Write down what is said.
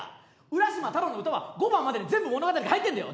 「浦島太郎」の歌は５番までに全部物語が入ってんだよ！